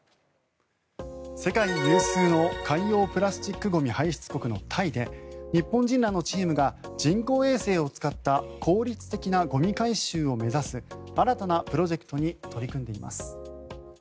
世界有数の海洋プラスチックゴミ排出国のタイで日本人らのチームが人工衛星を使った効率的なゴミ回収を目指す新たなプロジェクトに取り組んでいます。